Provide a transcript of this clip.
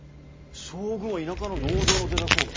将軍は田舎の農場の出だそうだ。